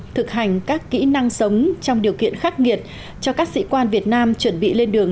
thực hành các kỹ năng sống trong điều kiện khắc nghiệt cho các sĩ quan việt nam chuẩn bị lên đường